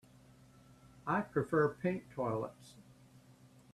I prefer pink toilets.